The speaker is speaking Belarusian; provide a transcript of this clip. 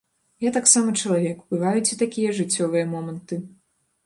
Я таксама чалавек, бываюць і такія жыццёвыя моманты.